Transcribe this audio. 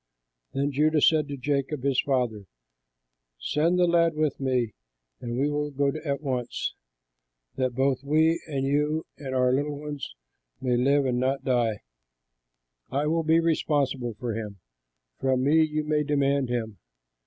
Then Judah said to Jacob, his father, "Send the lad with me, and we will go at once, that both we and you and our little ones may live and not die. I will be responsible for him; from me you may demand him.